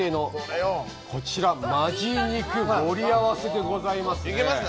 こちらまぜ肉盛り合わせでございますね。